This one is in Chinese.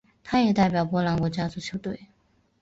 他也代表波兰国家足球队。